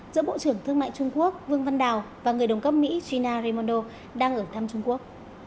giữa bộ trưởng thương mại trung quốc vương văn đào và người đồng cấp mỹ gina raimondo đang ở thăm trung quốc